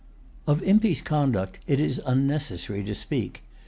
Of Impey's conduct it is unnecessary to speak.